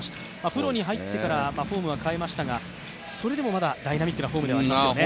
プロに入ってからフォームは変えましたが、それでもダイナミックなフォームですね。